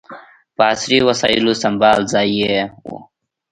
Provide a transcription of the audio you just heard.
په عصري وسایلو سمبال ځای یې و.